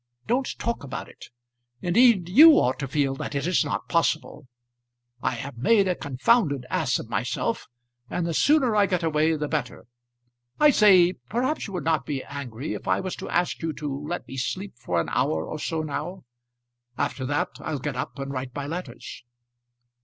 Don't talk about it. Indeed, you ought to feel that it is not possible. I have made a confounded ass of myself, and the sooner I get away the better. I say perhaps you would not be angry if I was to ask you to let me sleep for an hour or so now. After that I'll get up and write my letters."